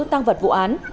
tăng vật vụ án